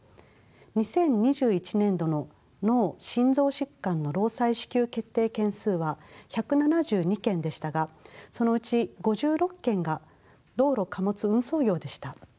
２０２１年度の脳・心臓疾患の労災支給決定件数は１７２件でしたがそのうち５６件が道路貨物運送業でした。